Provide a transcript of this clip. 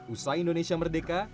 usai indonesia merdeka